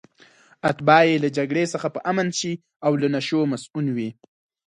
اتباع یې له جګړې څخه په امن شي او له نشو مصئون وي.